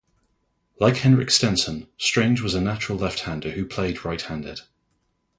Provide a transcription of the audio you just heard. Like Henrik Stenson, Strange was a natural left-hander who played right-handed.